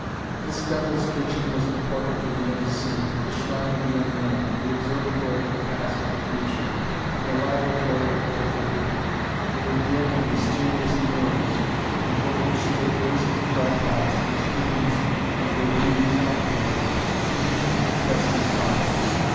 This devil's kitchen was the portal to the Unseen, the shrine of the Unknown, the observatory of the Past and the Future, and the laboratory of the Forbidden. There were dim and mysterious mirrors, before which stood brazen tripods whose fumes, as they wreathed upward, gleamed with dusky fires.